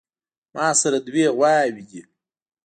ماسره دوې غواوې دي